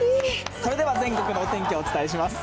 それでは全国のお天気をお伝えします。